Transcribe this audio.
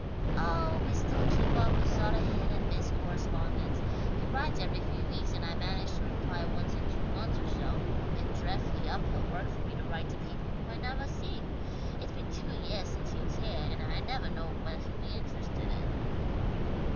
"Oh, we still keep up a sawt of hit and miss correspondence. He writes every few weeks and I manage to reply once in two months or so. It's dreadfully uphill work for me to write to people whom I nevah see. It's been two yeahs since he was heah, and I nevah know what he'll be interested in."